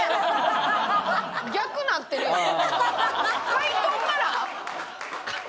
回答から？